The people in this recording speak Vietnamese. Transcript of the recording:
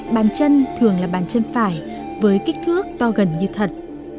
bàn chân thường là bàn chân phải với kích thước to gần như thật